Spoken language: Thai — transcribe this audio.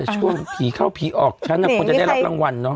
ช่วงผีเข้าผีออกฉันควรจะได้รับรางวัลเนอ